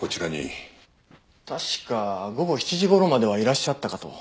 確か午後７時頃まではいらっしゃったかと。